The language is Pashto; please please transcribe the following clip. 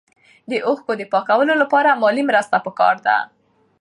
د اوښکو د پاکولو لپاره مالي مرسته پکار ده.